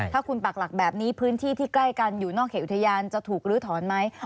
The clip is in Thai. ถ้าคุณปากหลักแบบนี้พื้นที่ที่ใกล้กันอยู่นอกเขตอุทยานจะถูกลื้อถอนไหม